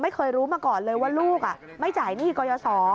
ไม่เคยรู้มาก่อนเลยว่าลูกไม่จ่ายหนี้กรยศ